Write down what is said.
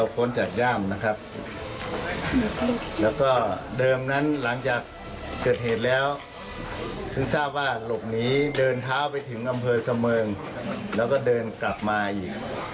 ขาวไปถึงอำเภอเสมองแล้วก็เดินกลับมาอีก